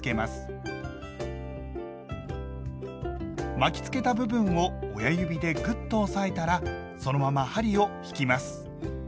巻きつけた部分を親指でぐっと押さえたらそのまま針を引きます。